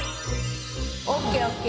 ＯＫＯＫ。